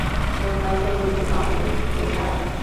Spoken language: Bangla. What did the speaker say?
ঐ বাচ্চাগুলোকে খুঁজে পাওয়ার জন্যই ও ছাড়া গতি নেই।